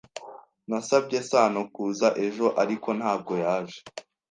Nasabye Sano kuza ejo, ariko ntabwo yaje.